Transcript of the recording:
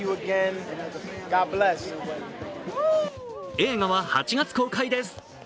映画は８月公開です。